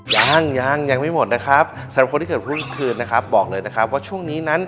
ยังยังยังไม่หมดนะครับสำหรับคนที่เกิดพรุ่งคืนนะครับบอกเลยนะครับว่าช่วงนี้นั้น